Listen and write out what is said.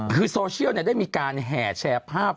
คือโซเชียลได้มีการแห่แชร์ภาพ